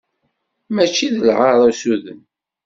Mačči d lɛar usuden.